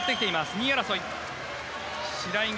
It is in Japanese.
２位争い。